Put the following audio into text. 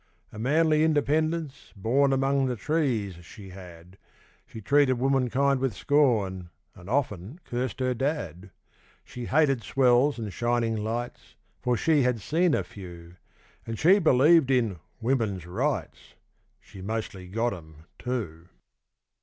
A manly independence, born Among the trees, she had, She treated womankind with scorn, And often cursed her dad. She hated swells and shining lights, For she had seen a few, And she believed in 'women's rights' (She mostly got 'em, too).